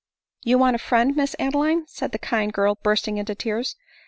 " You want a friend, Miss Adeline !" said the kind girl, bursting into tears.